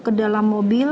ke dalam mobil